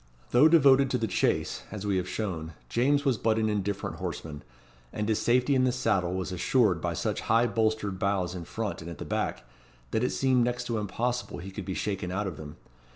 Though devoted to the chase, as we have shown, James was but an indifferent horseman; and his safety in the saddle was assured by such high bolstered bows in front and at the back, that it seemed next to impossible he could be shaken out of them.